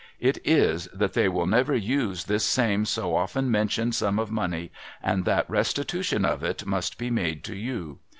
It is, that they will never use this same so often mentioned ^um of money, and that restitution of it must be made to you.